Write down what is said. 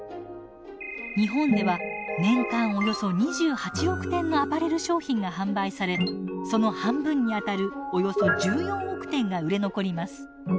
日本では年間およそ２８億点のアパレル商品が販売されその半分にあたるおよそ１４億点が売れ残ります。